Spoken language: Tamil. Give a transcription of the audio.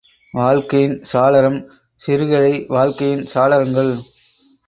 வாழ்க்கையின் சாளரம் சிறுகதை, வாழ்க்கையின் சாளரங்கள்.